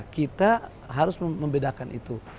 kita harus membedakan itu